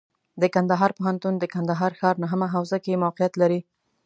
د کندهار پوهنتون د کندهار ښار نهمه حوزه کې موقعیت لري.